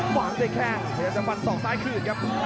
หว่างได้แค่งเดี๋ยวจะฟันสองซ้ายคืนครับ